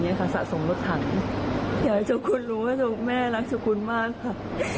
อยากให้โชคคุณรู้ว่าโชคแม่รักชุคคุณมากค่ะ